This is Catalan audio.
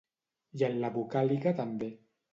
I en la vocàlica també.